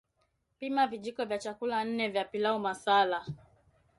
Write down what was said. Pima vijiko vya chakula nne vya pilau masala